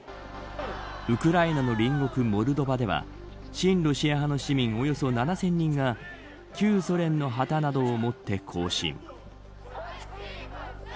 ウクライナ隣国モルドバでは親ロシア派の市民およそ７０００人が旧ソ連の旗などを持って行進。